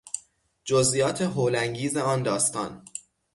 جزئیات هول انگیز آن داستان